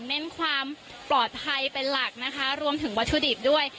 เน้นความปลอดภัยเป็นหลักนะคะรวมถึงวัตถุดิบด้วย